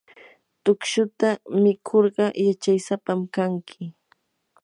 tukshuta mikurqa yachaysapam kanki.